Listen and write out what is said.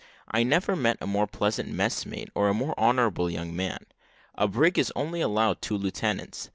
I never met a more pleasant messmate or a more honourable young man. A brig is only allowed two lieutenants.